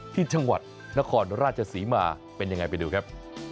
ที่จังหวัดนครราชศรีมาเป็นยังไงไปดูครับ